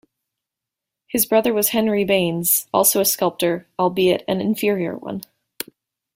His brother was Henry Behnes, also a sculptor, albeit an inferior one.